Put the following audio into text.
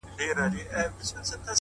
هوښیار انسان فرصت نه ضایع کوي’